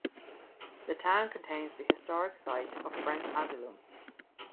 The town contains the historic site of French Azilum.